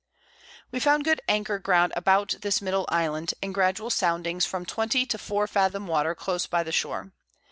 We found good Anchor Ground about this middle Island, and gradual Soundings from 20 to 4 Fathom Water close by the Shore.